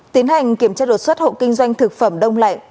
tiến hành kiểm tra đột xuất hộ kinh doanh thực phẩm đông lạnh